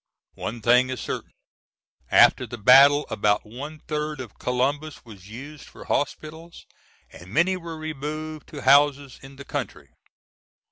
One thing is certain, after the battle about one third of Columbus was used for hospitals and many were removed to houses in the country.